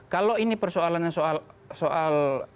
kalau ini persoalannya soal